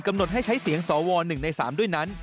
หดให้ใช้เสียงสว๑ใน๓ด้วยนั้น